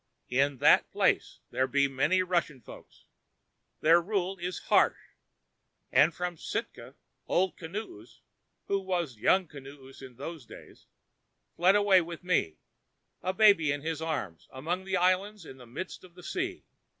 In that place there be many Russian folk, and their rule is harsh. And from Sitka, Old Kinoos, who was Young Kinoos in those days, fled away with me, a babe in his arms, along the islands in the midst of the sea.